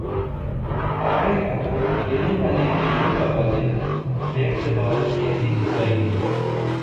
آڑے ہاتھوں لینے والی لبرل آوازیں بیک زبان کہتی سنائی